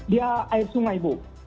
dia air sungai bu